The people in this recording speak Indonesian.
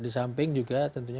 disamping juga tentunya